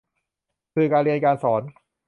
สื่อการเรียนการสอน